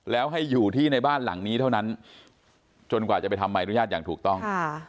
แล้วให้อยู่ที่ในบ้านหลังนี้เท่านั้นจนกว่าจะไปทำใบอนุญาตอย่างถูกต้อง